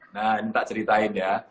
nah ini tak ceritain ya